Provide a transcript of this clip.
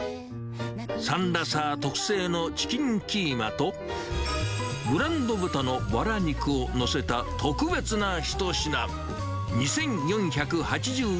サンラサー特製のチキンキーマと、ブランド豚のばら肉を載せた特別な一品。